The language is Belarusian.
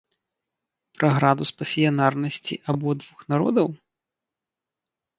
Пра градус пасіянарнасці абодвух народаў?